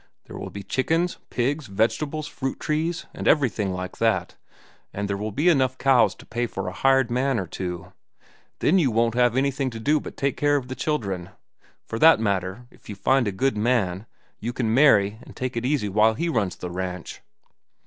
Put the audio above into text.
There will be chickens, pigs, vegetables, fruit trees, and everything like that; and there will be enough cows to pay for a hired man or two. Then you won't have anything to do but take care of the children. For that matter, if you find a good man, you can marry and take it easy while he runs the ranch."